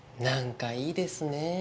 なんかいいですね